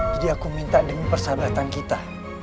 jadi aku minta demi persahabatan kita